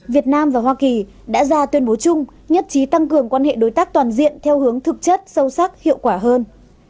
việt nam và hoa kỳ đã ra tuyên bố chung nhất trí tăng cường quan hệ đối tác toàn diện theo hướng thực chất sâu sắc hiệu quả hơn